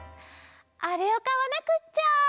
あれをかわなくっちゃ。